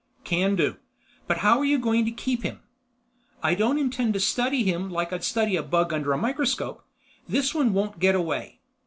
"Can do. But how are you going to keep him?" "I don't intend to study him like I'd study a bug under a microscope. This one won't get away.